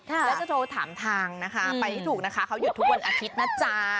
แล้วจะโทรถามทางนะคะไปให้ถูกนะคะเขาหยุดทุกวันอาทิตย์นะจ๊ะ